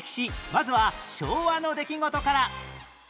まずは昭和の出来事から